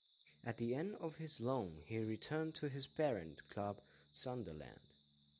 At the end of his loan he returned to his parent club Sunderland.